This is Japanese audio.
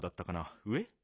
上？